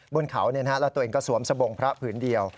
บนเขาเนี่ยฮะและตัวเองก็สวมสบงพระผืนเดียว